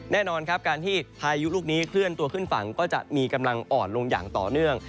แน่นอนครับการที่พายุลูกนี้เคลื่อนตัวขึ้นฝั่งก็จะมีกำลังอ่อนลงอย่างต่อเนื่อง